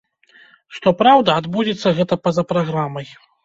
Што праўда, адбудзецца гэта па за праграмай.